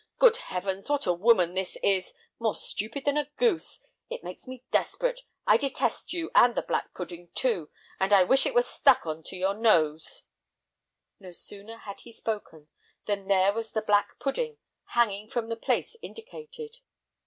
Good Heavens, what a woman this is! More stupid than a goose! It makes me desperate; I detest you and the black pudding, too, and I wish it were stuck on to your nose!" No sooner had he spoken than there was the black pudding hanging from the place indicated!